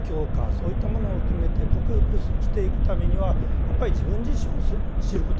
そういったものを含めて克服していくためにはやっぱり自分自身を知ることが大切だ。